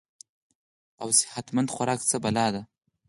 او صحت مند خوراک څۀ بلا ده -